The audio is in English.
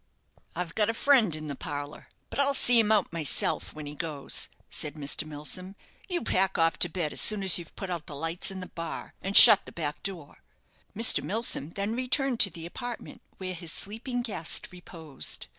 "I've got a friend in the parlour: but I'll see him out myself when he goes," said Mr. Milsom. "You pack off to bed as soon as you've put out the lights in the bar, and shut the back door." Mr. Milsom then returned to the apartment where his sleeping guest reposed.